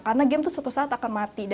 karena game itu suatu saat akan mati